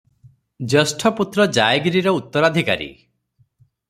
ଜ୍ୟେଷ୍ଠପୁତ୍ର ଜାୟଗିରିର ଉତ୍ତରାଧିକାରୀ ।